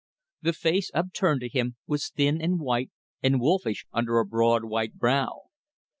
The face upturned to him was thin and white and wolfish under a broad white brow.